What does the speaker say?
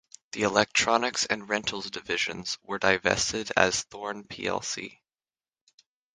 The electronics and rentals divisions were divested as Thorn plc.